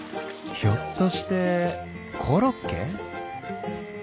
ひょっとしてコロッケ？